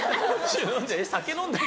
酒飲んでる？